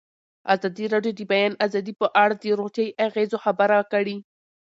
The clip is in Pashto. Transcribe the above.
ازادي راډیو د د بیان آزادي په اړه د روغتیایي اغېزو خبره کړې.